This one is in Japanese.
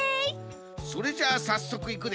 それじゃあさっそくいくで。